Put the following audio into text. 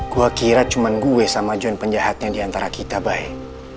gue kira cuma gue sama john penjahatnya diantara kita baik